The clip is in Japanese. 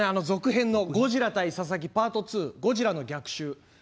続編の「ゴジラ対佐々木パート２ゴジラの逆襲」。